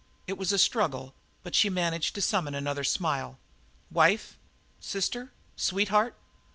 It was a struggle, but she managed to summon another smile. "Wife sister sweetheart?"